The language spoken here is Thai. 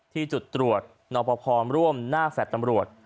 ที่จุดตรวจนอปภพรรมร่วมหน้าแฝดตำรวจ